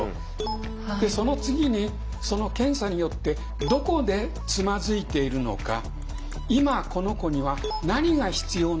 その次にその検査によってどこでつまずいているのか今この子には何が必要なのか。